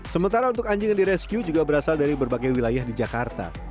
sementara untuk anjing yang direscue juga berasal dari berbagai wilayah di jakarta